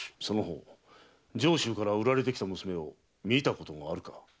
その方上州から売られてきた娘を見たことがあるか？